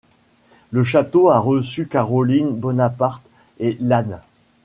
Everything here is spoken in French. Le château a reçu Caroline Bonaparte et Lannes.